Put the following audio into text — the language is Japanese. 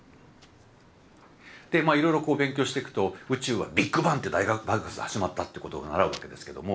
でいろいろ勉強していくと宇宙はビッグバンって大爆発で始まったってことを習うわけですけども。